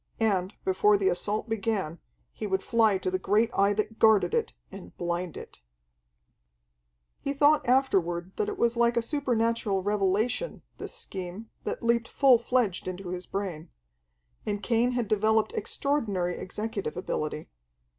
And, before the assault began, he would fly to the great Eye that guarded it, and blind it. He thought afterward that it was like a supernatural revelation, this scheme, that leaped full fledged into his brain. And Cain had developed extraordinary executive ability.